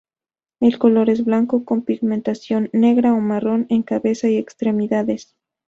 El color es blanco con pigmentación negra o marrón en cabeza y extremidades.